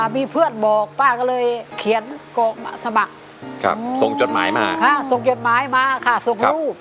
มีเพื่อนบอกป้าก็เลยเขียนสมัครส่งจดหมายมาค่ะส่งรูป